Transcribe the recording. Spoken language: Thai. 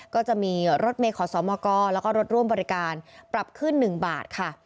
ก็จะมีรถเมย์ขอสมกแล้วก็รถร่วมบริการปรับขึ้น๑บาทค่ะ